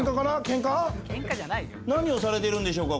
何をされているんでしょうか？